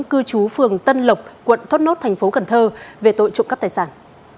cư trú phường tân lộc quận thốt nốt tp cn về tội trụng cấp tài sản